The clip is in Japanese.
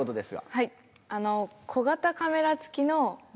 はい。